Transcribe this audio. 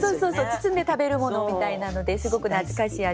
包んで食べるものみたいなのですごく懐かしい味です。